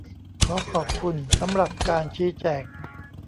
ขอขอบคุณสำหรับการชี้แจง !